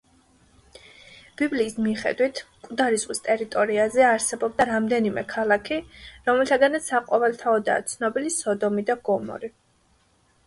ბიბლიის მიხედვით, მკვდარი ზღვის ტერიტორიაზე არსებობდა რამდენიმე ქალაქი, რომელთაგანაც საყოველთაოდაა ცნობილი სოდომი და გომორი.